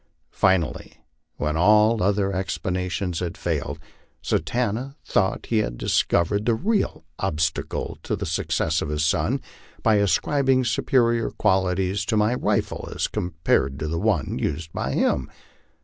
Finally, when all other explanations had failed, Satanta thought he had discov ered the real obstacle to the success of his son, by ascribing superior qualities to my rifle as compared with the one used by him.